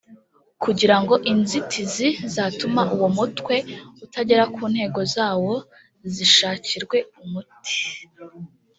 kugira ngo inzitizi zatuma uwo mutwe utagera ku ntego zawo zishakirwe umuti